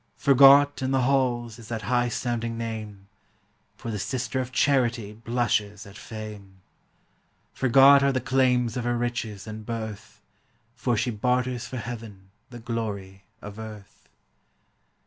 Forgot in the halls is that high sounding name, For the Sister of Charity blushes at fame: Forgot are the claims of her riches and birth, For she barters for heaven the glory of earth.